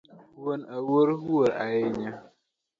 Wuon Awuor wuor ahinya